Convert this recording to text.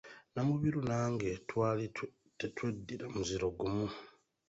Namubiru nange twali tetweddira muziro gumu.